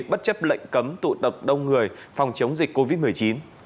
bất chấp lệnh cấm tụ tập đông người phòng chống dịch covid một mươi chín